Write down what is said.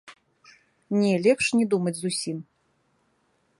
Не, лепш не думаць зусім.